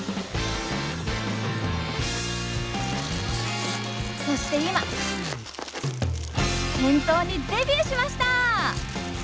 さあそして今店頭にデビューしました！